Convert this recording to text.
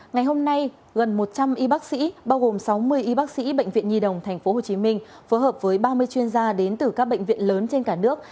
ngày hôm nay gần một trăm linh y bác sĩ bao gồm sáu mươi y bác sĩ bệnh viện nhi đồng tp hcm phối hợp với ba mươi chuyên gia đến từ các bệnh viện lớn trên cả nước